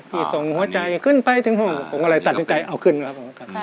พี่ส่งหัวใจขึ้นไปถึงห่วงหัวใจตัดถึงใจเอาขึ้นครับ